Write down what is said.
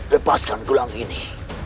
lepaskan gelang ini